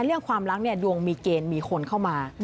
เรื่องความรักเนี่ยดวงมีเกณฑ์มีคนเข้ามา